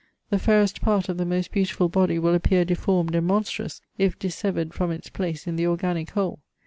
The fairest part of the most beautiful body will appear deformed and monstrous, if dissevered from its place in the organic whole.